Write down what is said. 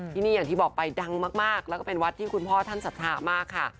ที่นี่อย่างที่บอกไปดังมากแล้วก็เป็นวัดที่คุณพ่อท่านศรัทธามากค่ะ